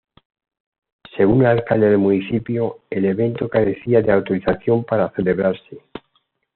Según el alcalde del municipio, el evento carecía de autorización para celebrarse.